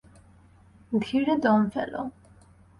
ধীরে দম ফেলো।